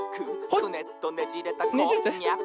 「クネっとねじれたこんにゃく」